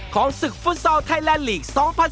ของศึกฟุตซอลไทยแลนด์ลีก๒๐๑๖